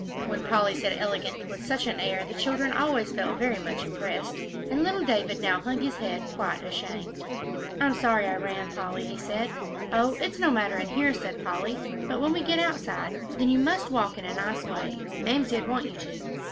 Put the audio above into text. When Polly said "elegant" with such an air, the children always felt very much impressed, and little David now hung his head quite ashamed. "I'm sorry I ran, Polly," he said. "Oh, it's no matter in here," said Polly, "but when we get outside, then you must walk in a nice way. Mamsie'd want you to.